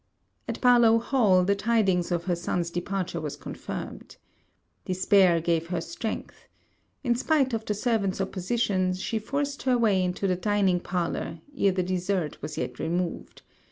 At Barlowe Hall, the tidings of her son's departure was confirmed. Despair gave her strength. In spite of the servants' opposition, she forced her way into the dining parlour, ere the dessert was yet removed.